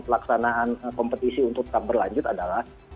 pelaksanaan kompetisi untuk tetap berlanjut adalah